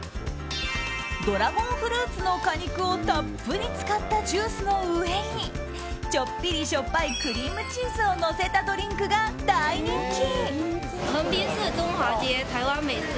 ドラゴンフルーツの果肉をたっぷり使ったジュースの上にちょっぴりしょっぱいクリームチーズをのせたドリンクが大人気。